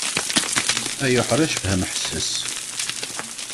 Ay uḥric fhem ḥesses.